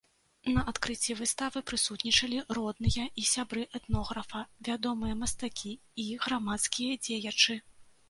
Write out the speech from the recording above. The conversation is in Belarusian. На адкрыцці выставы прысутнічалі родныя і сябры этнографа, вядомыя мастакі і грамадскія дзеячы.